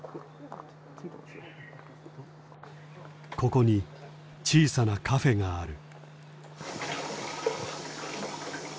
ここに小さなカフェがある。